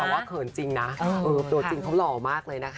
ว่าเขินจริงนะตัวจริงเขาหล่อมากเลยนะคะ